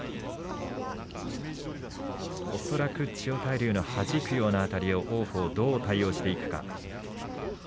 恐らく千代大龍のはじくようなあたりを王鵬がどう対応していくか。